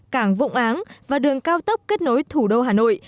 cảng vụ áng và đường cao tốc kết nối thủ đô hà nội